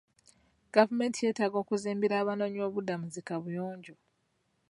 Gavumenti yeetaaga okuzimbira abanoonyi b'obubudamu zi kaabuyonjo.